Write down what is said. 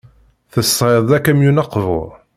Tesɣiḍ-d akamyun aqbur.